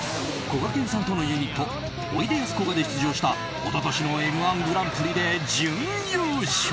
こがけんさんとのユニットおいでやすこがで出場した一昨年の「Ｍ‐１グランプリ」で準優勝！